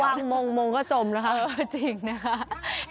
ว่างมงค์มงค์ก็จมนะคะเออจริงนะคะ